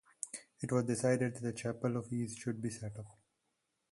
It was decided that a chapel of ease should be set up.